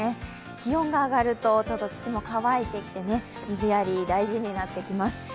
気温が上がると土も乾いてきて水やり、大事になってきます。